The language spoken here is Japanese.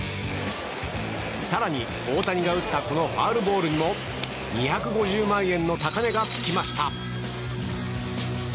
更に大谷が打ったファウルボールにも２５０万円の高値が付きました。